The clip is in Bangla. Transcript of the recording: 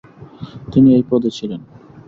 তিনি এই পদে ছিলেন।